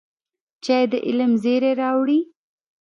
چای د علم زېری راوړي